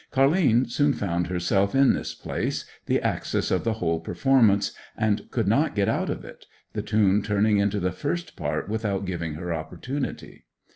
Car'line soon found herself in this place, the axis of the whole performance, and could not get out of it, the tune turning into the first part without giving her opportunity.